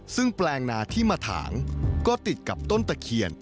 ซึ่งแปลงนาที่มาถางก็ติดกับต้นตะเคียน